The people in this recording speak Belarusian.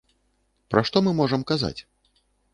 Пра што мы можам казаць?